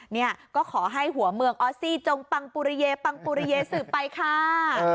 นี่ก็ขอให้หัวเมืองออสซิจงปังปุริเยย์ปังปุริเยยศึกไปค่า